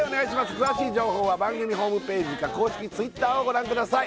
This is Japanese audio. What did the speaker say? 詳しい情報は番組ホームページか公式Ｔｗｉｔｔｅｒをご覧ください